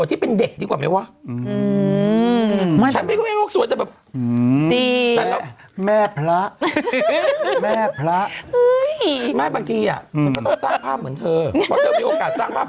แต่อย่างฉันไม่ค่อยมีโอกาสสร้างภาพ